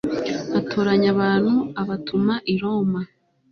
atoranya abantu abatuma i roma